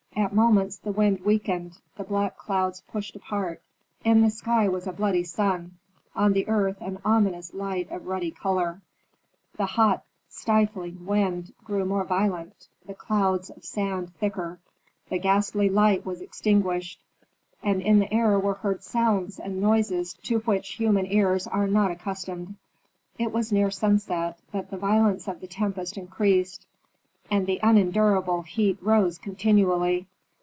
At moments the wind weakened, the black clouds pushed apart; in the sky was a bloody sun, on the earth an ominous light of ruddy color. The hot stifling wind grew more violent, the clouds of sand thicker. The ghastly light was extinguished, and in the air were heard sounds and noises to which human ears are not accustomed. It was near sunset, but the violence of the tempest increased, and the unendurable heat rose continually.